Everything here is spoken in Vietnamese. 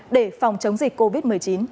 để phòng chống dịch covid một mươi chín